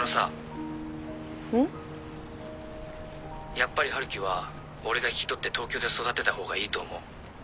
やっぱり春樹は俺が引き取って東京で育てた方がいいと思う。